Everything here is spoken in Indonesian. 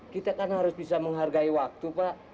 kita kan harus bisa menghargai waktu pak